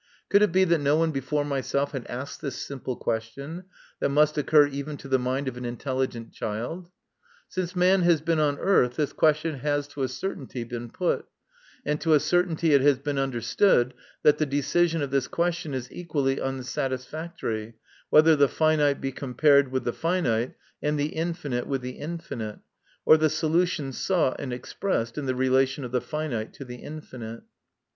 Could it be that no one before myself had asked this simple question, that must occur even to the mind of an intelligent child ? Since man has been on earth this question has to a certainty been put, and to a certainty it has been understood that the decision of this question is equally unsatisfactory, whether the finite be compared with the finite, and the infinite with the infinite, or the solution sought and expressed in the relation of the finite to the infinite.